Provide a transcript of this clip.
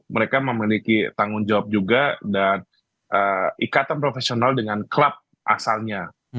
mereka memiliki tanggung jawab juga dan ikatan profesional dengan klub asalnya